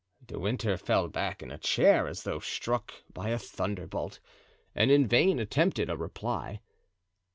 De Winter fell back in a chair as though struck by a thunderbolt and in vain attempted a reply.